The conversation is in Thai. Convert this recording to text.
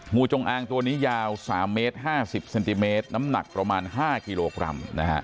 งูจงอางตัวนี้ยาว๓เมตร๕๐เซนติเมตรน้ำหนักประมาณ๕กิโลกรัม